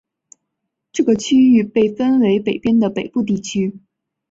这个区域被分为北边的北部地区。